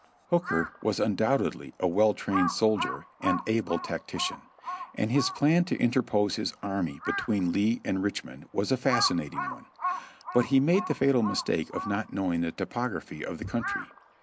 Hooker was undoubtedly a well trained soldier and able tacti cian, and his plan to interpose his army between Lee and Rich mond was a fascinating one ; but he made the fatal mistake of not knowing the topography of the country.